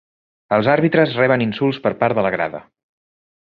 Els àrbitres reben insults per part de la grada